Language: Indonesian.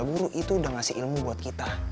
guru itu udah ngasih ilmu buat kita